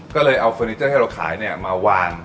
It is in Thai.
ก็เลยเอาเฟอร์นิเจอร์ที่เราขายมาวาง